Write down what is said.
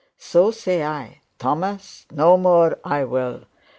So says I, "Thomas, no more I wull."